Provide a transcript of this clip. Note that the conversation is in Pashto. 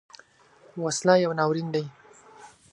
وسله یو ناورین دی